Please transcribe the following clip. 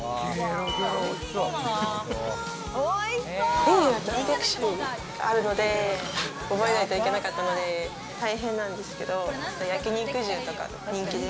メニューが何百種類あるので、覚えないといけなかったので大変なんですけど、焼肉重とか人気です。